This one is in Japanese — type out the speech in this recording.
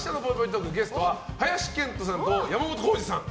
トークゲストは林遣都さんと山本耕史さん。